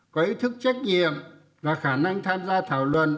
có ý thức trách nhiệm và khả năng tham gia thảo luận